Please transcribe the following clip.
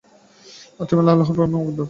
তিনি আল্লাহ্র প্রেমে মগ্ন হলেন।